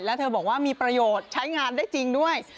แล้วเธอบอกว่ามีประโยชน์ใช้งานได้จริงด้วย